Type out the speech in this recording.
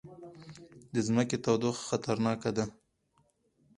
د ځمکې تودوخه خطرناکه ده